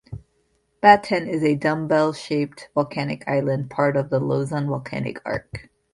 Batan is a dumbbell-shaped volcanic island, part of the Luzon Volcanic Arc.